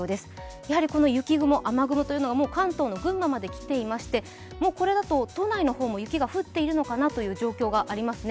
やはり雪雲、雨雲というのが関東の群馬まで来ていましてこれだと都内の方も雪が降っているのかなという状況がありますね。